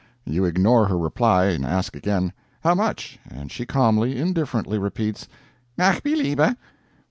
You ignore her reply, and ask again: "How much?" and she calmly, indifferently, repeats: "NACH BELIEBE."